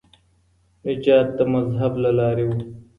نجات د مذهب له لاري و.